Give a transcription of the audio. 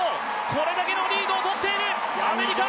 これだけのリードを取っているアメリカ。